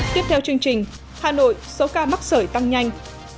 tiếp theo chương trình hà nội số ca mắc sởi tăng nhanh